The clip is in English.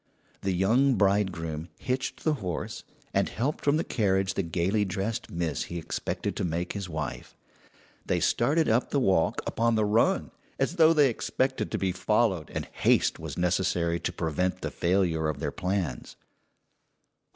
The young bridegroom hitched the horse, and helped from the carriage the gayly dressed miss he expected to make his wife. They started up the walk upon the run, as though they expected to be followed and haste was necessary to prevent the failure of their plans.